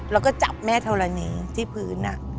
แล้วก็จับแม่ธรณีที่พื้น